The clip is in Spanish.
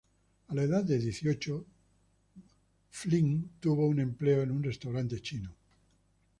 A la edad de dieciocho, Filth tuvo un empleo en un restaurante chino.